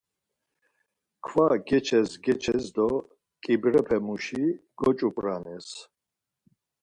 Kva geçes geçes do ǩibrepe muşi goç̌up̌ranes.